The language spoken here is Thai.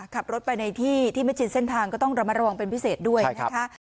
ขับรถไปในที่ที่ไม่ชินเส้นทางก็ต้องระมัดระวังเป็นพิเศษด้วยนะคะ